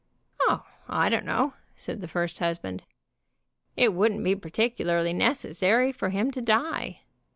"Oh, I don't know," said the first husband. "It wouldn't be particularly necessary for him to die.